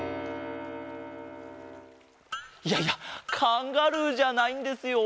いやいやカンガルーじゃないんですよ